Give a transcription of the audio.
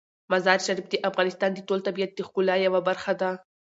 مزارشریف د افغانستان د ټول طبیعت د ښکلا یوه برخه ده.